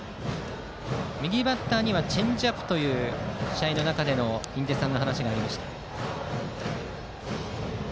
右バッターにはチェンジアップと試合の中での印出さんの話がありました。